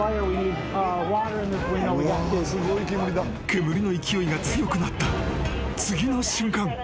［煙の勢いが強くなった次の瞬間］